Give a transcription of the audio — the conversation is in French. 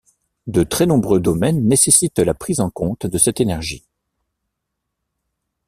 De très nombreux domaines nécessitent la prise en compte de cette énergie.